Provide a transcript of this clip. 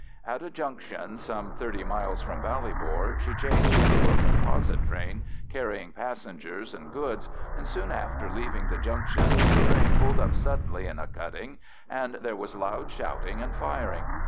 At a junction some thirty miles from Ballybor she changed into a composite train carrying passengers and goods, and soon after leaving the junction the train pulled up suddenly in a cutting, and there was loud shouting and firing.